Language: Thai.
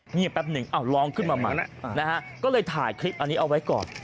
เงียบแป๊บหนึ่งอ้าวลองขึ้นมามันนะฮะก็เลยถ่ายคลิปอันนี้เอาไว้ก่อน